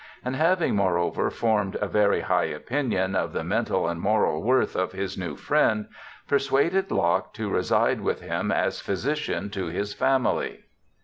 . and having, moreover, formed a very high opinion of the mental and moral worth of his new friend— persuaded Locke to reside with him as physician to his family.'